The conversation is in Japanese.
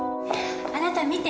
あなた見て。